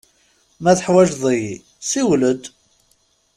Ma teḥwaǧeḍ-iyi, siwel-d.